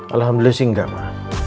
alhamdulillah sih enggak ma